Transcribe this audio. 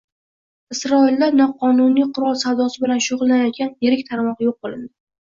Isroilda noqonuniy qurol savdosi bilan shug‘ullanayotgan yirik tarmoq yo‘q qilinding